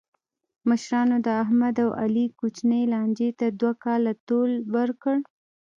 مشرانو د احمد او علي کوچنۍ لانجې ته دوه کاله طول ورکړ.